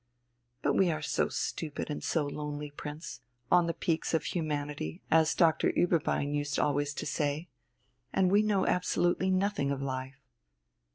"But we are so stupid and so lonely, Prince on the peaks of humanity, as Doctor Ueberbein used always to say and we know absolutely nothing of life."